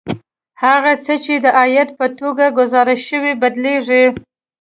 هغه څه چې د عاید په توګه ګزارش شوي بدلېږي